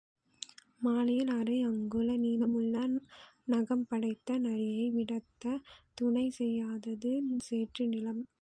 மாலையில் அரை அங்குல நீளமுள்ள நகம்படைத்த நரியை விரட்டத் துணை செய்யாதது சேற்றுநிலம்.